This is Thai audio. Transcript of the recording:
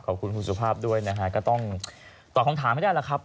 ขอบคุณคุณสุภาพด้วยนะฮะก็ต้องตอบคำถามให้ได้แล้วครับ